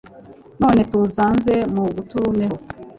None tuza nze mugutumeho